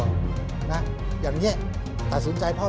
อย่างนี้พ่อแม่ผู้ครองเขาได้ตัดสินใจได้ว่า